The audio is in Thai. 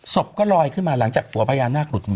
ก็ลอยขึ้นมาหลังจากหัวพญานาคหลุดหมด